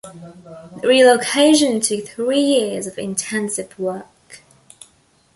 The relocation took three years of intensive work.